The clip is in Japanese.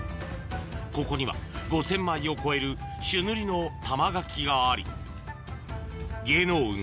ここには５０００枚を超える朱塗りの玉垣があり芸能運